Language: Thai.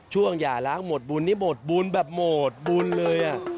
อย่าล้างหมดบุญนี่หมดบุญแบบหมดบุญเลย